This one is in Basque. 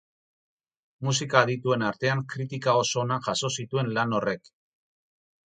Musika adituen artean kritika oso onak jaso zituen lan horrek.